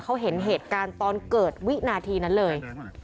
เขาเห็นเหตุการณ์ตอนเกิดวินาทีนั้นเลย